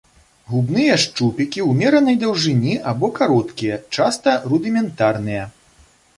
Губныя шчупікі ўмеранай даўжыні або кароткія, часта рудыментарныя.